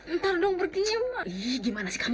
entar dong pergi gimana sih kamu